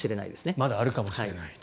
まだあるかもしれない。